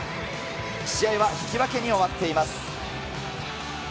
試合は引き分けに終わっています。